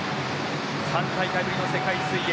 ３大会ぶりの世界水泳。